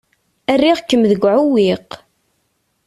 Rriɣ-kem deg uɛewwiq.